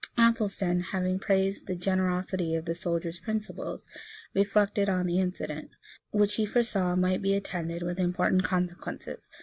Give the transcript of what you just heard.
Athelstan, having praised the generosity of the soldier's principles, reflected on the incident, which he foresaw might be attended with important consequences.